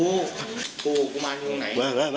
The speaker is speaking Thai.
ผมคุยอยู่กับใคร